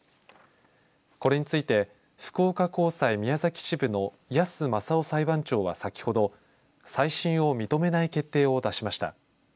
これについて福岡高裁宮崎支部の矢数昌雄裁判長は先ほど再審を認めない決定を出しました。